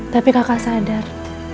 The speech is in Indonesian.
tapi kakak sadar